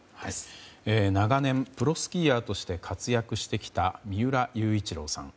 長年、プロスキーヤーとして活躍してきた三浦雄一郎さん。